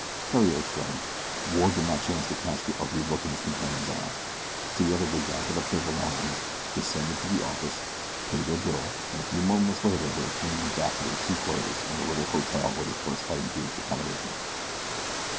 Theriere shrugged. Ward did not chance to catch the ugly look in his companion's eye. Together they gathered up their belongings, descended to the office, paid their bill, and a few moments later were changing back to their sea clothes in the little hotel where they first had engaged accommodations.